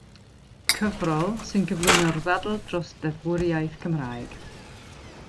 Cyfrol sy'n cyflwyno'r ddadl dros ddeddfwriaeth Gymraeg.